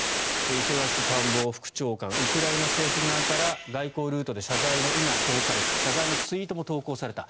磯崎官房副長官ウクライナ政府側から外交ルートで謝罪の意が表された謝罪のツイートも投稿された。